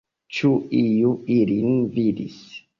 Ĉu iu ilin vidis?